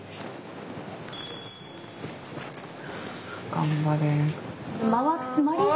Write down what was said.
頑張れ！